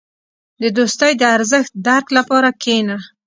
• د دوستۍ د ارزښت درک لپاره کښېنه.